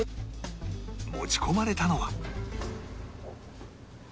持ち込まれたのは